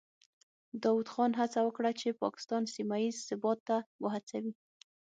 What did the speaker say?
داود خان هڅه وکړه چې پاکستان سیمه ییز ثبات ته وهڅوي.